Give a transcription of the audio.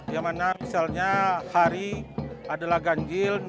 yang mana misalnya hari adalah ganjil